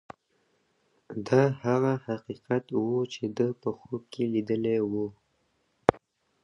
دا هغه حقیقت و چې ده په خوب کې لیدلی و.